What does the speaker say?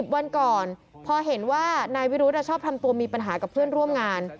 วันก่อนพอเห็นว่านายวิรุธชอบทำตัวมีปัญหากับเพื่อนร่วมงาน